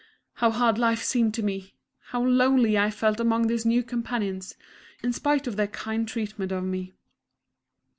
how hard life seemed to me! How lonely I felt among these new companions, in spite of their kind treatment of me!